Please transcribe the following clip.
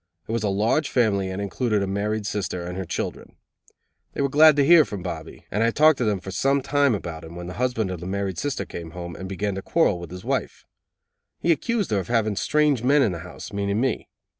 It was a large family and included a married sister and her children. They were glad to hear from Bobby, and I talked to them for some time about him, when the husband of the married sister came home, and began to quarrel with his wife. He accused her of having strange men in the house, meaning me.